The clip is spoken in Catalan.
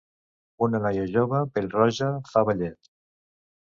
Una noia jove pèl-roja fa ballet.